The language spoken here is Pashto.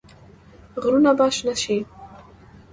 غرونه به شنه شي.